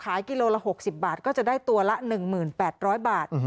กิโลละ๖๐บาทก็จะได้ตัวละ๑๘๐๐บาท